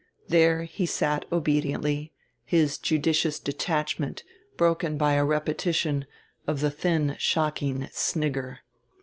There he sat obediently, his judicious detachment broken by a repetition of the thin shocking snigger.